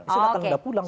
silahkan anda pulang